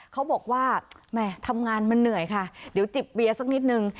เขาบอกว่าแม่ทำงานมันเหนื่อยค่ะเดี๋ยวจิบเบียร์สักนิดนึง